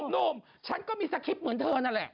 หนุ่มฉันก็มีสคริปต์เหมือนเธอนั่นแหละ